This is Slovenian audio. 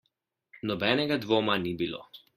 Nobenega dvoma ni bilo.